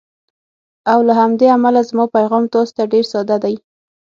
او له همدې امله زما پیغام تاسو ته ډېر ساده دی: